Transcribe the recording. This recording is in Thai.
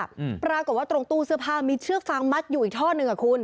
อืมปรากฏว่าตรงตู้เสื้อผ้ามีเชือกฟางมัดอยู่อีกท่อหนึ่งอ่ะคุณ